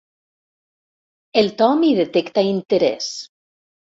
El Tom hi detecta interès.